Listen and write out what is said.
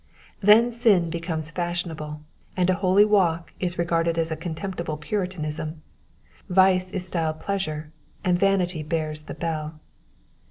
Then sin becomes fashionable, and a holy walk is regarded as a contemptible puritanism ; vice is styled pleasure, and vanity bears the bell.